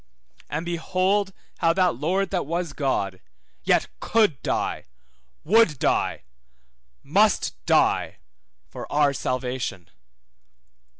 And behold how that Lord that was God, yet could die, would die, must die for our salvation.